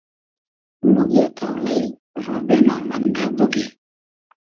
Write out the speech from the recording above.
موگیۂ تۆلݷ , رۉبې نامئندۂ بوگی